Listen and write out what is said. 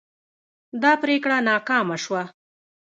دا پریکړه ناکامه شوه.